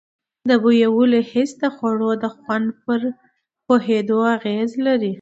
د بویولو حس د خوړو د خوند پر پوهېدو اغیز لري.